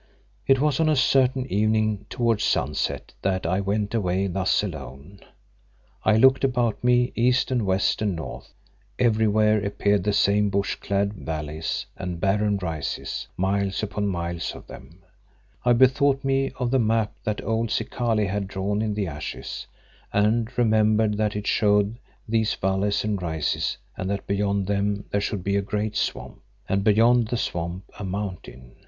It was on a certain evening towards sunset that I went away thus alone. I looked about me, east and west and north. Everywhere appeared the same bush clad valleys and barren rises, miles upon miles of them. I bethought me of the map that old Zikali had drawn in the ashes, and remembered that it showed these valleys and rises and that beyond them there should be a great swamp, and beyond the swamp a mountain.